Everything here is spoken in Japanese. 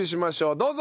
どうぞ！